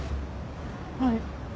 はい。